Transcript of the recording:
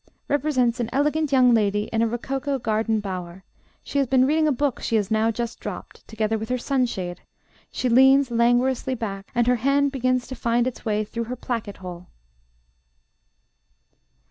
92), represents an elegant young lady in a rococo garden bower; she has been reading a book she has now just dropped, together with her sunshade; she leans languorously back, and her hand begins to find its way through her placket hole.